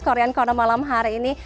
korean corner malam hari ini